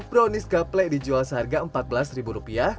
brownies gaple dijual seharga empat belas rupiah